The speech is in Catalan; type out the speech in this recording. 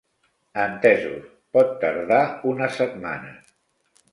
Entesos, pot tardar una setmana.